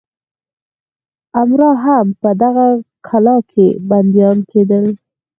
امرا هم په دغه کلا کې بندیان کېدل.